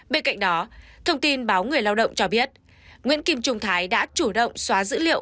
bên cạnh đó thông tin báo người lao động cho biết nguyễn kim trung thái đã chủ động xóa dữ liệu